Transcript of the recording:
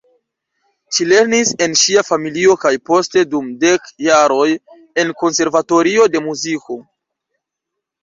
Ŝi lernis en ŝia familio kaj poste dum dek jaroj en konservatorio de muziko.